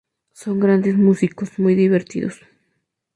Son grandes músicos, muy divertidos".